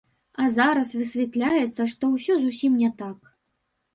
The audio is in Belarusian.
А зараз высвятляецца, што ўсё зусім не так.